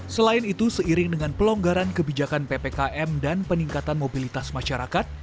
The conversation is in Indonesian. selain itu seiring dengan pelonggaran kebijakan ppkm dan peningkatan mobilitas masyarakat